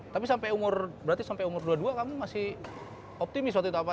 tapi sampai umur berarti sampai umur dua dua kamu masih optimis waktu itu apa